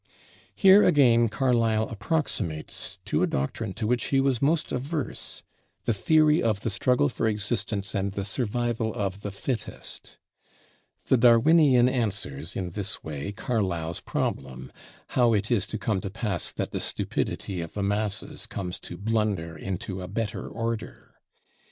Here again Carlyle approximates to a doctrine to which he was most averse, the theory of the struggle for existence and the survival of the fittest. The Darwinian answers in this way Carlyle's problem, how it is to come to pass that the stupidity of the masses comes to blunder into a better order?